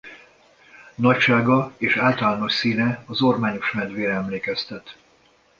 Nagysága és általános színe az ormányos medvére emlékeztet.